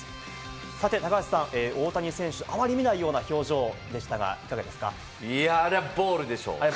さて高橋さん、大谷選手あまり見ないような表情でしたが、いかがいや、あれはボールでしょ。